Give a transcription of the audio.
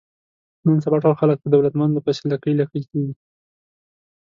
نن سبا ټول خلک په دولتمندو پسې لکۍ لکۍ کېږي.